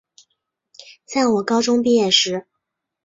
在我高中毕业时